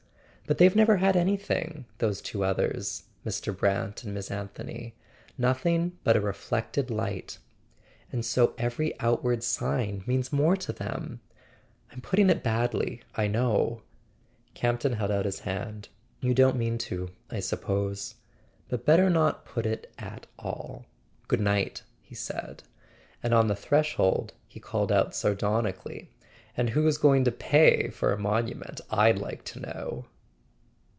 But they've never had any¬ thing, those two others, Mr. Brant and Miss Anthony; nothing but a reflected light. And so every outward sign means more to them. I'm putting it badly, I know " Campton held out his hand. "You don't mean to, I suppose. But better not put it at all. Good night," he said. And on the threshold he called out sardonically: "And who's going to pay for a monument, I'd like to know?"